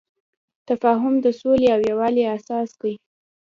تفاهم د سولې او یووالي اساس دی.